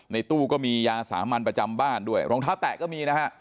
ตู้ก็มียาสามัญประจำบ้านด้วยรองเท้าแตะก็มีนะฮะ